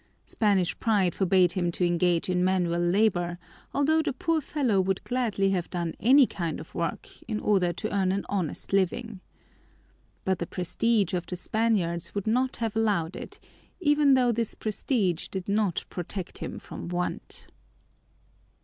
Spanish pride forbade him to engage in manual labor, although the poor fellow would gladly have done any kind of work in order to earn an honest living. But the prestige of the Spaniards would not have allowed it, even though this prestige did not protect him from want.